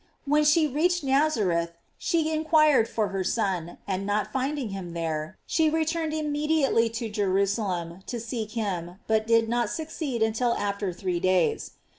When she reached Nazareth she inquired for her Son, and not finding him there, she returned immediately to Jerusalem to seek him, but did not succeed until after three days.